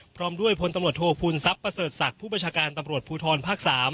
พร้อมด้วยพลตำรวจโทษภูมิทรัพย์ประเสริฐศักดิ์ผู้ประชาการตำรวจภูทรภาค๓